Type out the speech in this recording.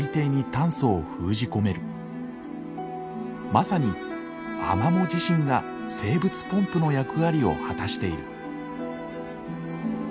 まさにアマモ自身が生物ポンプの役割を果たしている。